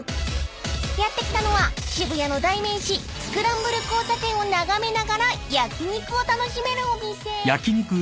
［やって来たのは渋谷の代名詞スクランブル交差点を眺めながら焼き肉を楽しめるお店］